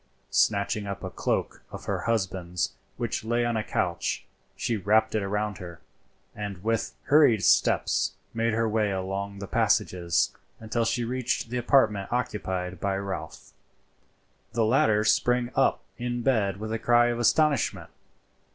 Snatching up a cloak of her husband's which lay on a couch, she wrapped it round her, and with hurried steps made her way along the passages until she reached the apartment occupied by Ralph. The latter sprang up in bed with a cry of astonishment.